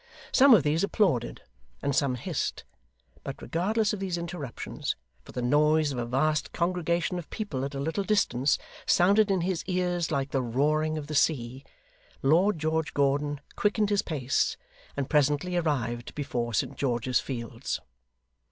Some of these applauded, and some hissed; but regardless of these interruptions for the noise of a vast congregation of people at a little distance, sounded in his ears like the roaring of the sea Lord George Gordon quickened his pace, and presently arrived before St George's Fields.